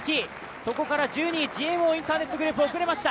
そこから１２位、ＧＭＯインターネットグループが遅れました。